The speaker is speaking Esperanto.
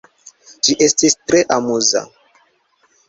Ĝi estis tre amuza.